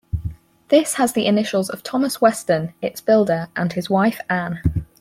This has the initials of Thomas Westerne, its builder, and his wife Anne.